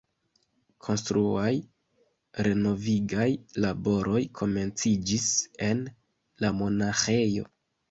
Konstruaj renovigaj laboroj komenciĝis en lamonaĥejo.